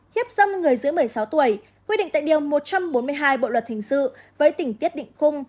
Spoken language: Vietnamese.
hiếp dâm người giữa một mươi sáu tuổi quy định tại điểm một trăm bốn mươi hai bộ luật thình dự với tỉnh tiết định khung